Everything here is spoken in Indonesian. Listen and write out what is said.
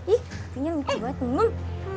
ih katanya muntuh banget nih emang